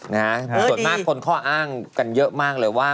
ส่วนมากคนข้ออ้างกันเยอะมากเลยว่า